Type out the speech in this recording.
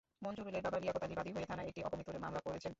মঞ্জুরুলের বাবা লিয়াকত আলী বাদী হয়ে থানায় একটি অপমৃত্যুর মামলা করেছেন।